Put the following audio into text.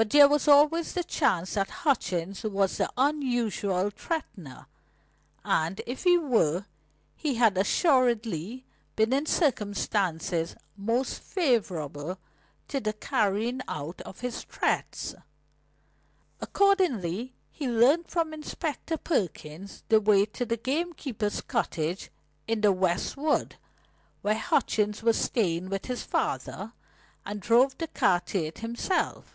But there was always the chance that Hutchings was the unusual threatener; and, if he were, he had assuredly been in circumstances most favourable to the carrying out of his threats. Accordingly he learnt from Inspector Perkins the way to the gamekeeper's cottage in the West Wood, where Hutchings was staying with his father, and drove the car to it himself.